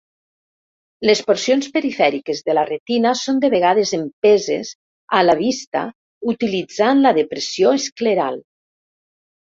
Les porcions perifèriques de la retina són de vegades empeses a la vista utilitzant la depressió escleral.